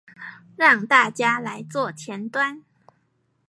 來讓大家做前端